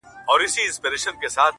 پاڅه چي ځو ترې ، ه ياره،